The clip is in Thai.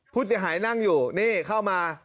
พี่หายหนั้งอยู่นี่เข้ามา